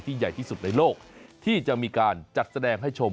ใหญ่ที่สุดในโลกที่จะมีการจัดแสดงให้ชม